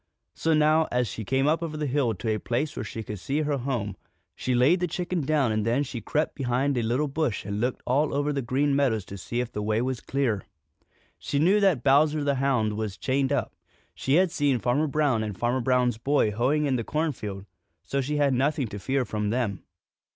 So now, as she came up over the hill to a place where she could see her home, she laid the chicken down and then she crept behind a little bush and looked all over the Green Meadows to see if the way was clear. She knew that Bowser the Hound was chained up. She had seen Farmer Brown and Farmer Brown's boy hoeing in the cornfield, so she had nothing to fear from them.